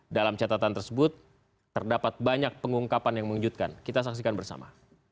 dalam catatan tersebut terdapat banyak pengungkapan yang mengejutkan kita saksikan bersama